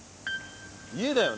家だよね？